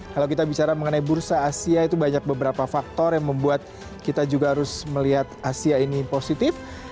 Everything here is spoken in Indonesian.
kalau kita bicara mengenai bursa asia itu banyak beberapa faktor yang membuat kita juga harus melihat asia ini positif